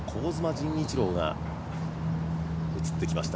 陣一朗が映ってきました